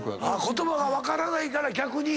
言葉が分からないから逆に。